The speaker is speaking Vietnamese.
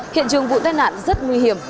hiện trường vụ tai nạn rất nguy hiểm